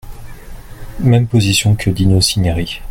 Même position que Dino Cinieri.